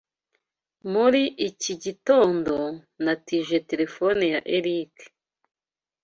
Muri iki gitondo, natije terefone ya Eric.